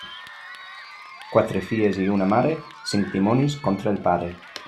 Quatre filles i una mare, cinc dimonis contra el pare.